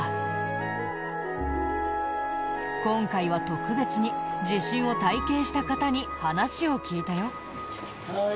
今回は特別に地震を体験した方に話を聞いたよ。